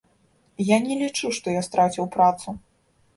Я не лічу, што я страціў працу.